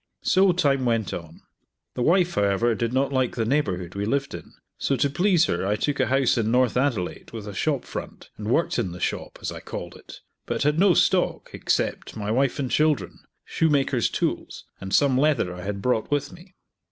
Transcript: So time went on. The wife, however, did not like the neighbourhood we lived in, so to please her I took a house in North Adelaide with a shop front, and worked in the shop as I called it; but had no stock except my wife and children, shoemaker's tools, and some leather I had brought with me.